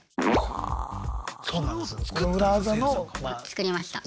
作りました。